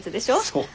そう。